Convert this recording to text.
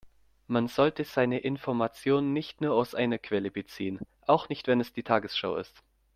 Man sollte seine Informationen nicht nur aus einer Quelle beziehen, auch nicht wenn es die Tagesschau ist.